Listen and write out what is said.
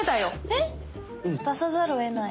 えっ⁉出さざるをえない。